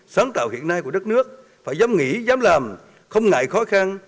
sáng tạo hiện nay của đất nước phải dám nghĩ dám làm không ngại khó khăn